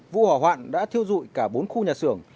vụ hỏa hoạn đã thiêu dụi cả bốn khu nhà xưởng